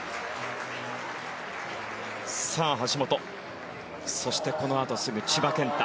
さあ、橋本そして、このあとすぐ千葉健太。